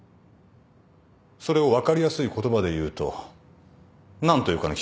それを分かりやすい言葉で言うと何と言うかね？